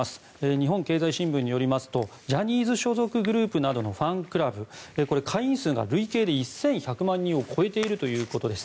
日本経済新聞によりますとジャニーズ所属グループなどのファンクラブ会員数が累計で１１００万人を超えているということです。